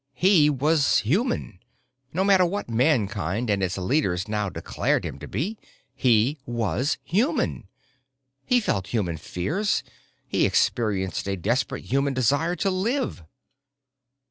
He was human. No matter what Mankind and its leaders now declared him to be, he was human. He felt human fears; he experienced a desperate human desire to live.